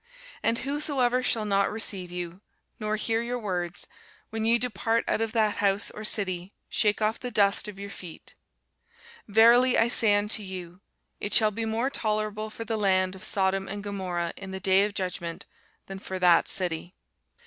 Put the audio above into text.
And whosoever shall not receive you, nor hear your words, when ye depart out of that house or city, shake off the dust of your feet. Verily I say unto you, It shall be more tolerable for the land of Sodom and Gomorrha in the day of judgment, than for that city.